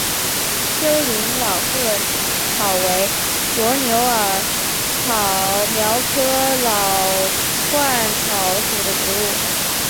丘陵老鹳草为牻牛儿苗科老鹳草属的植物。